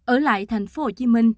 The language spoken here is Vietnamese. ở lại tp hcm